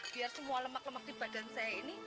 biar semua lemak lemak di badan saya ini